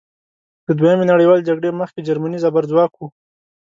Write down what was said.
له دویمې نړیوالې جګړې مخکې جرمني زبرځواک وه.